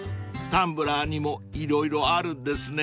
［タンブラーにも色々あるんですね］